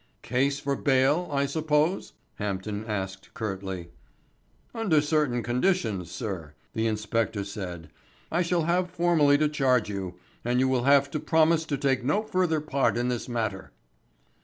"Case for bail, I suppose?" Hampden asked curtly. "Under certain conditions, sir," the inspector said. "I shall have formally to charge you, and you will have to promise to take no further part in this matter."